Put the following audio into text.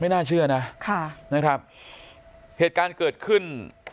น่าเชื่อนะค่ะนะครับเหตุการณ์เกิดขึ้น